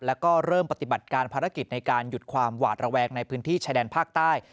แล้วก็เริ่มปฏิบัติการภารกิจในการหยุดความหวาดระแวงในพื้นที่ชายแดนภาคใต้